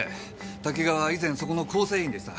多岐川は以前そこの構成員でした。